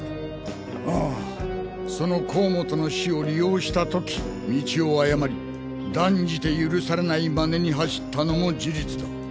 ああその甲本の死を利用した時道をあやまり断じて許されない真似に走ったのも事実だ。